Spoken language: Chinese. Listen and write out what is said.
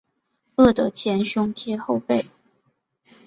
饿得前胸贴后背